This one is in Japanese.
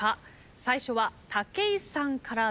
最初は武井さんからです。